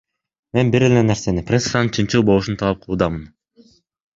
Мен бир эле нерсени, прессанын чынчыл болушун талап кылуудамын.